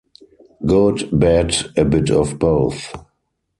Good/ bad/ a bit of both.